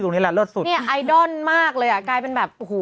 นี่ไอดอลมากเลยอ่ะกลายเป็นแบบโห